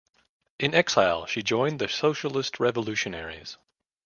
In exile she joined the Socialist Revolutionaries.